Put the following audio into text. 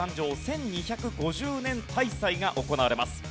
１２５０年大祭が行われます。